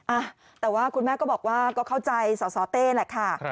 อ่ะแต่ว่าคุณแม่ก็บอกว่าก็เข้าใจสสเต้แหละค่ะ